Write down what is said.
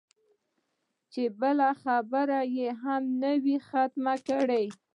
چې بل کس خبرې هم نه وي ختمې کړې